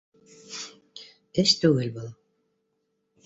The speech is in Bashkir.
Эш түгел был